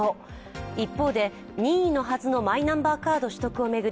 一方で任意のはずのマイナンバーカード取得を巡り